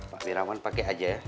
pak wirawan pakai aja